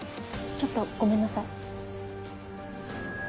ちょっとごめんなさい。